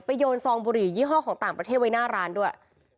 โยนซองบุหรี่ยี่ห้อของต่างประเทศไว้หน้าร้านด้วย